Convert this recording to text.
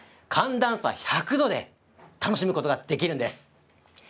寒暖差１００度で、楽しむことができるんです。